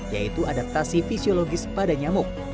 yaitu adaptasi fisiologis pada nyamuk